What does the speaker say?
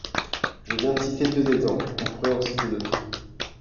Je viens de citer deux exemples, on pourrait en citer d’autres.